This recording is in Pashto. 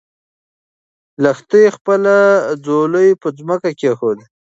لښتې خپله ځولۍ په ځمکه کېښوده.